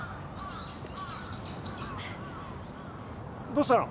どうしたの？